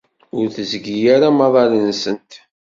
Ur tegzi ara amaḍal-nsent.